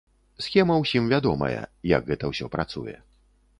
Схема ўсім вядомая, як гэта ўсё працуе.